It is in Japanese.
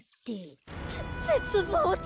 ぜぜつぼうだ！